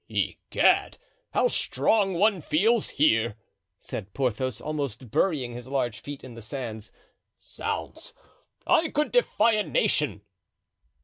"Egad! how strong one feels here!" said Porthos, almost burying his large feet in the sands. "Zounds! I could defy a nation!"